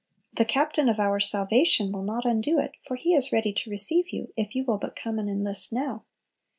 The Captain of our salvation will not undo it, for He is ready to receive you, if you will but come and enlist now.